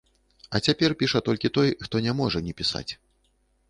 А цяпер піша толькі той, хто не можа не пісаць.